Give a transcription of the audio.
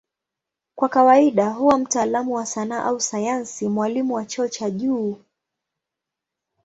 Kwa kawaida huwa mtaalamu wa sanaa au sayansi, mwalimu wa cheo cha juu.